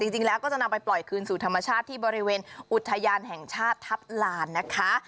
จริงแล้วก็จะนำไปปล่อยคืนสู่ธรรมชาติที่บริเวณอุทยานแห่งชาติทัพลานนะคะ